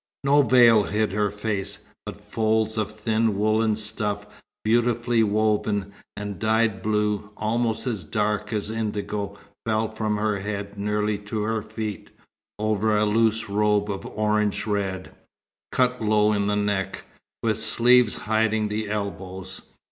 No veil hid her face, but folds of thin woollen stuff beautifully woven, and dyed blue, almost as dark as indigo, fell from her head nearly to her feet, over a loose robe of orange red, cut low in the neck, with sleeves hiding the elbows.